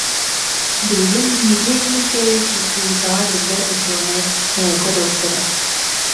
Билигин Дмитрий Дмитриевич республикаҕа биллэр учуонай, наука доктора